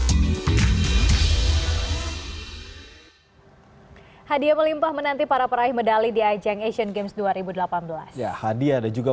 hai hadiah melimpah menanti para peraih medali di ajang asian games dua ribu delapan belas ya hadiah dan juga